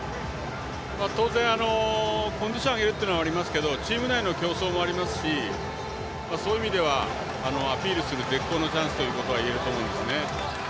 当然、コンディションを上げるというのもありますがチーム内の競争もありますしそういう意味ではアピールする絶好のチャンスだとはいえると思います。